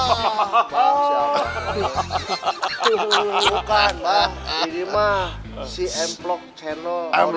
tuh bukan ini mah si ngeplok tenno original